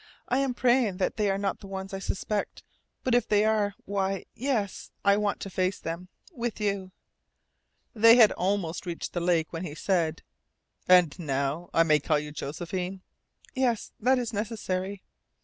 "I am praying that they are not the ones I suspect. But if they are why, yes, I want to face them with you." They had almost reached the lake when he said: "And now, I may call you Josephine?" "Yes, that is necessary."